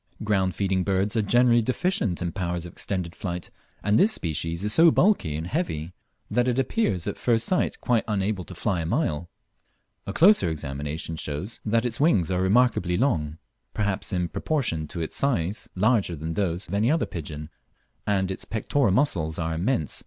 Ground feeding birds are generally deficient in power of extended flight, and this species is so bulky and heavy that it appears at first sight quite unable to fly a mile. A closer examination shows, however, that its wings are remarkably large, perhaps in proportion to its size larger than those of any other pigeon, and its pectoral muscles are immense.